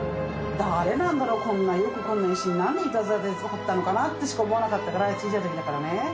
誰なんだろうこんなよくこんな石に何イタズラで彫ったのかなってしか思わなかったから小さい時だからね。